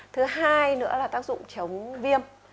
thứ hai nữa là tác dụng chống viêm